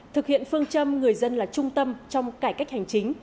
thực hiện phương châm người dân là trung tâm trong cải cách hành chính